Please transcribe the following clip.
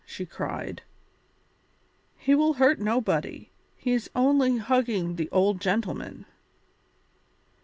she cried, "he will hurt nobody; he is only hugging the old gentleman."